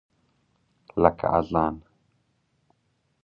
لکه اذان !